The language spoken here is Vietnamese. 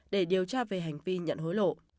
để điều tra về hành vi nhận hối lộ